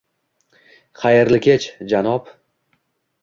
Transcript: Xayrli kech, janob!